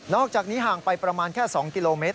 อกจากนี้ห่างไปประมาณแค่๒กิโลเมตร